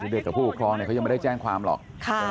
เด็กกับผู้ปกครองเขายังไม่ได้แจ้งความหรอก